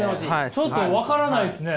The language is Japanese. ちょっと分からないですね。